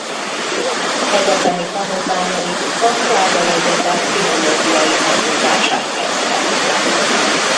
Egyetemi tanulmányait a prágai egyetem filológiai fakultásán kezdte.